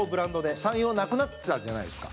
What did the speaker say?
サンヨーなくなったじゃないですか。